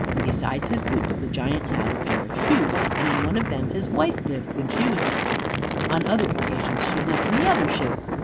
Besides his boots, the Giant had a pair of shoes, and in one of them his wife lived when she was at home; on other occasions she lived in the other shoe.